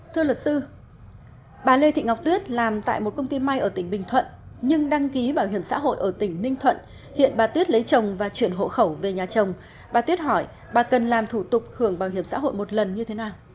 thưa luật sư bà lê thị ngọc tuyết làm tại một công ty may ở tỉnh bình thuận nhưng đăng ký bảo hiểm xã hội ở tỉnh ninh thuận hiện bà tuyết lấy chồng và chuyển hộ khẩu về nhà chồng bà tuyết hỏi bà cần làm thủ tục hưởng bảo hiểm xã hội một lần như thế nào